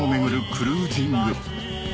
クルージング